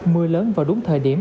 mưa lớn vào đúng thời điểm